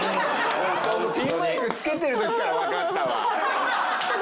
そのピンマイク付けてる時からわかったわ。